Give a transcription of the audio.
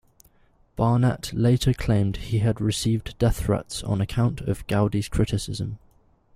Barnett later claimed he had received death threats on account of Gowdy's criticism.